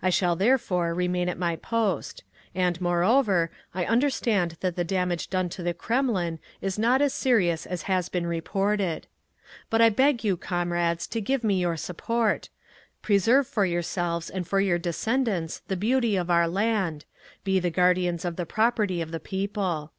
I shall therefore remain at my post…. And moreover, I understand that the damage done to the Kremlin is not as serious as has been reported…. "But I beg you, comrades, to give me your support…. Preserve for yourselves and your descendants the beauty of our land; be the guardians of the property of the People.